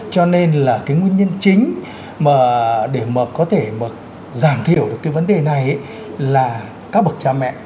cho nên là cái nguyên nhân chính mà để mà có thể mà giảm thiểu được cái vấn đề này là các bậc cha mẹ